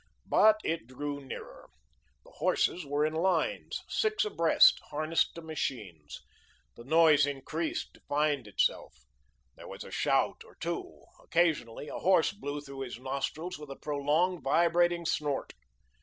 But it drew nearer. The horses were in lines, six abreast, harnessed to machines. The noise increased, defined itself. There was a shout or two; occasionally a horse blew through his nostrils with a prolonged, vibrating snort.